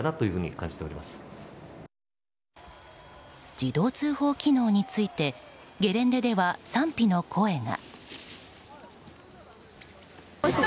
自動通報機能についてゲレンデでは賛否の声が。